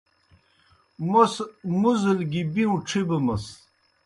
موْس مُزل گیْ بِیؤں ڇِھبمِس۔